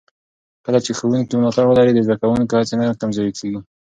کله چې ښوونکي ملاتړ ولري، د زده کوونکو هڅې نه کمزورې کېږي.